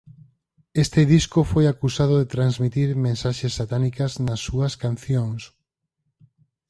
Este disco foi acusado de transmitir mensaxes satánicas nas súas cancións.